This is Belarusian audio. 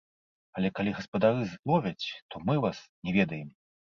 Але калі гаспадары зловяць, то мы вас не ведаем.